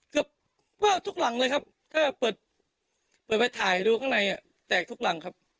เกือบทุกหลังเลยครับถ้าเปิดเปิดไปถ่ายดูข้างในแตกทุกหลังครับ